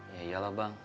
ya iyalah bang